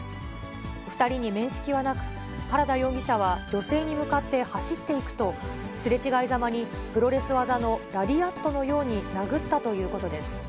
２人に面識はなく、原田容疑者は女性に向かって走っていくと、すれ違いざまに、プロレス技のラリアットのように殴ったということです。